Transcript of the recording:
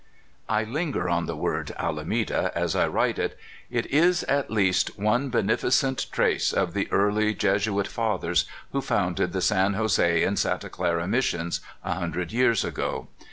(I linger on the word "Alameda " as I write it. 272 CALIFORNIA SKETCHES. It is at least one beneficent trace of the early Jes uit fathers who founded the San Jose and Santa Clara Missions a hundred years ago.